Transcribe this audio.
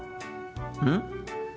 うん？